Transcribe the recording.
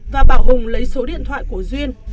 và bảo hùng lấy số điện thoại của duyên